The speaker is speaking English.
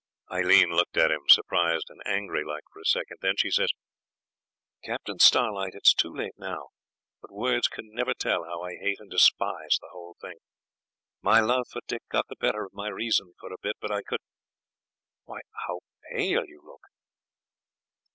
Aileen looked at him, surprised and angry like for a second. Then she says 'Captain Starlight, it's too late now; but words can never tell how I hate and despise the whole thing. My love for Dick got the better of my reason for a bit, but I could Why, how pale you look!'